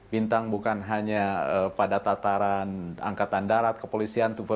bintang bukan hanya pada tataran angkatan darat kepolisian